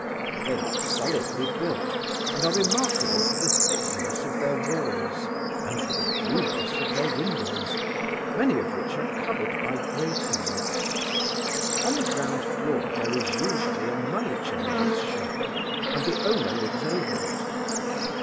They are solidly built, and are remarkable for the thickness of their walls, and for the fewness of their windows, many of which are covered by gratings. On the ground floor there is usually a money changer's shop, and the owner lives over it.